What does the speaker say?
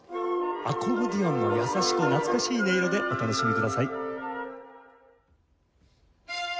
アコーディオンの優しく懐かしい音色でお楽しみください。